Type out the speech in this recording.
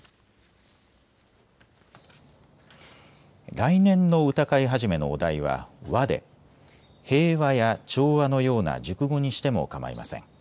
来年の歌会始のお題は和で平和や調和のような熟語にしてもかまいません。